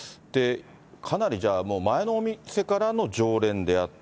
かなりじゃあ、前のお店からの常連であった。